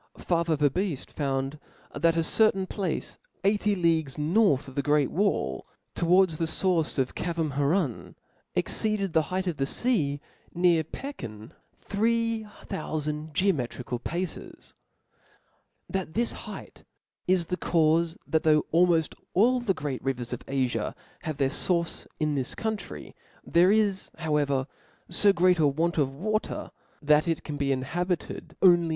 Fa ^Jl'^ f* ther Verbieft found, that a certain place eighty Chap. 3* ^^ leagues north of the great w^U towards the c" iburce of K^^vamhuran, exceeded the height of ^f the fea p,ear Pekin three thpufand geometrical ^^ paces ( that this hpght * is the caufe that though almoft all fhe great rivers of Afia have their ff iburce in this country, there is however fo grc^t ^^ a want pf water, that ip pan be inhabited only *?